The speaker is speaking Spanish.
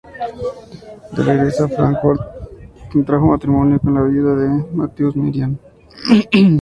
De regreso a Fráncfort contrajo matrimonio con la viuda de Matthäus Merian.